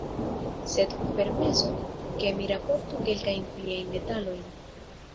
Sed permesu ke mi raportu kelkajn pliajn detalojn.